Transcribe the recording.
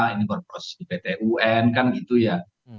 ini korporasi pt un kan gitu ya